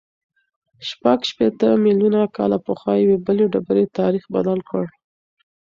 شپږ شپېته میلیونه کاله پخوا یوې بلې ډبرې تاریخ بدل کړ.